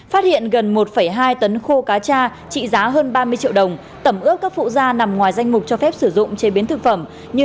phát hiện gần một hai tấn khô cá cha trị giá hơn ba mươi triệu đồng tẩm ướp các phụ da nằm ngoài danh mục cho phép sử dụng chế biến thực phẩm như